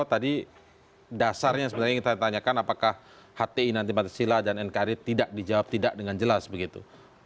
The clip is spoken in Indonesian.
tadi dasarnya sebenarnya yang kita tanyakan apakah hti nanti pancasila dan nkri tidak dijawab tidak dengan jelas begitu